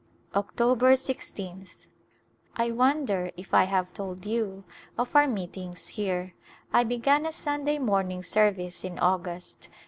October i6th. I wonder if I have told you of our meetings here. I began a Sunday morning service in August.